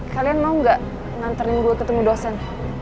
kalian mau gak nganterin gue ketemu dosen